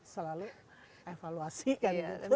selalu evaluasi kan gitu